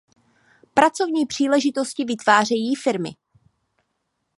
Pracovní příležitosti vytvářejí firmy.